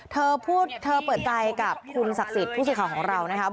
เธอเปิดไตรกับคุณศักดิ์สิทธิ์ผู้สิทธิ์ของเรานะครับ